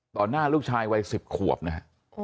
หน้าลูกชายวัย๑๐ขวบนะฮะ